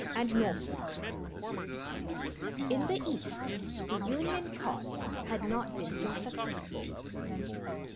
In the East the Union cause had not been so successful.